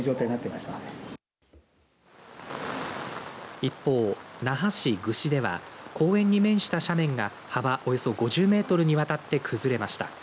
一方、那覇市具志では公園に面した斜面が幅およそ５０メートルにわたって崩れました。